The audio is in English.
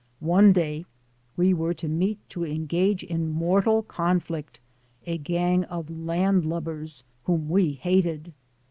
One day we were to meet to engage in mortal conflict a gang of "land lubbers" whom we hated.